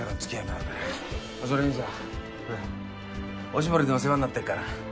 おしぼりでも世話になってっから。